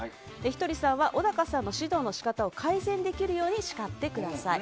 ひとりさんは小高さんの指導の仕方を改善できるように叱ってください。